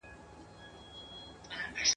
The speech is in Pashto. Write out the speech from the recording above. چي پر دې تېري باندي